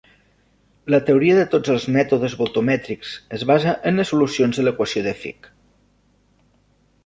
La teoria de tots els mètodes voltamètrics es basa en les solucions de l'equació de Fick.